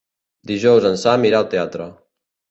Dijous en Sam irà al teatre.